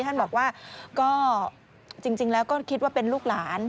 ท่านบอกว่าก็จริงแล้วก็คิดว่าเป็นลูกหลาน